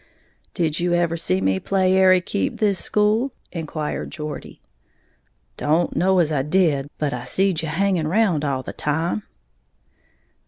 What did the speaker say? "Did you ever see me play ary keep this school?" inquired Geordie. "Don't know as I did; but I seed you hangin' round all the time."